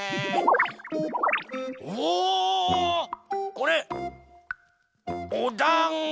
これおだんご！